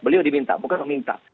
beliau dibinta bukan meminta